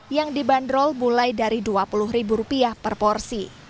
yang dibanderol mulai dari rp dua puluh per porsi